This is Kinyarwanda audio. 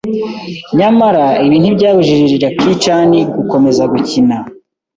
Nyamara ibi ntibyabujije Jackie Chan gukomeza gukina